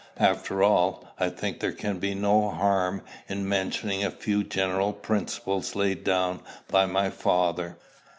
After all, I think there can be no harm in mentioning a few general principles laid down by my father.